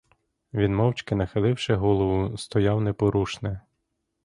Він мовчки, нахиливши голову, стояв непорушне.